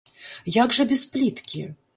Як жа без пліткі!